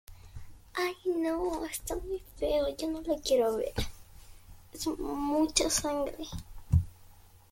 Las guerras púnicas marcaron la primera etapa de esta expansión.